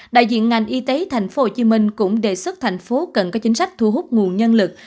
đại diện ngành y tế tp hcm cũng đề xuất thành phố cần có chính sách thu hút nguồn nhân lực